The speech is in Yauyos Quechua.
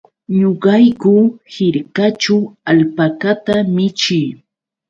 Ñuqayku hirkaćhu alpakata michii.